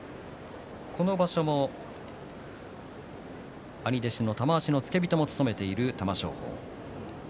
この場所も、兄弟子の玉鷲の付け人も勤めている玉正鳳。